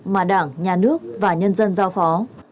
mà đảng nhà nước và nhân dân giao phó